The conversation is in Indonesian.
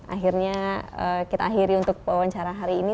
akhirnya kita akhiri untuk wawancara hari ini